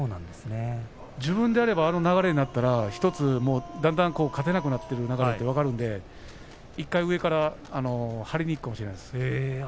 自分であればあの流れになったらだんだん勝てなくなる流れが分かるで、いったん上から張りにいくかもしれません。